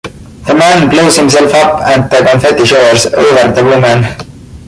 The man blows himself up, and the confetti showers over the woman.